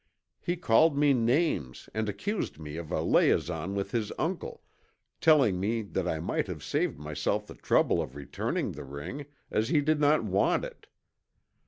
He called me names and accused me of a liaison with his uncle, telling me that I might have saved myself the trouble of returning the ring, as he did not want it.